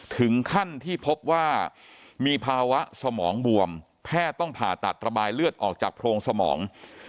ถึงขั้นที่พบว่ามีภาวะสมองบวมแพทย์ต้องผ่าตัดระบายเลือดออกจากโพรงสมอง